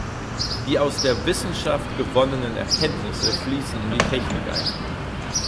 Die aus der Wissenschaft gewonnenen Erkenntnisse fließen in die Technik ein.